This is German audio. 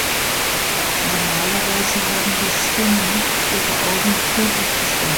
Normalerweise haben die Sphingen ihre Augen friedlich geschlossen.